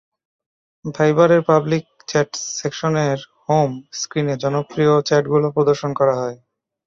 ভাইবারের public chats সেকশনের home স্ক্রিনে জনপ্রিয় চ্যাটগুলো প্রদর্শন করা হয়।